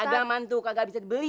agak mantu kagak bisa dibeli